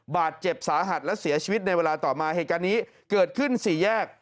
บาดเจ็บสาหัสและเสียชีวิตในเวลาต่อมาเหตุการณ์นี้เกิดขึ้นสี่แยก